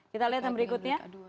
kita lihat yang berikutnya